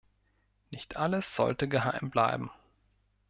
Nicht alles sollte geheim bleiben.